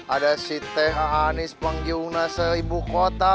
ada si teh anis panggilnya seribu kota